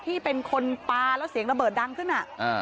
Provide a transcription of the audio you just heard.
ที่เป็นคนปลาแล้วเสียงระเบิดดังขึ้น